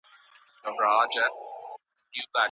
په لاس خط لیکل د دننه ږغونو اوریدل دي.